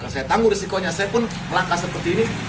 saya tahu risikonya saya pun melangkah seperti ini